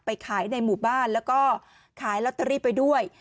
ไปขายในหมู่บ้านแล้วก็ขายตลาดก็ขายไปด้วย